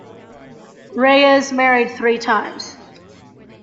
Reyes married three times.